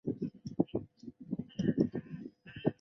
英国冀望藉此跟北京新政权展开贸易。